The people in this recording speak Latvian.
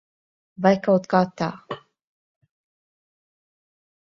Vai kaut kā tā.